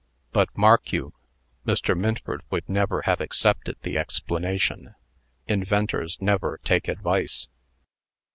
But, mark you, Mr. Minford would never have accepted the explanation. Inventors never take advice."